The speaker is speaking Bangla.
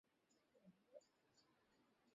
লোকে বলছে এইবার তারা আমাদের বাড়ি লুট করতে আসবে।